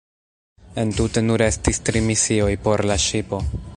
Entute nur estis tri misioj por la ŝipo.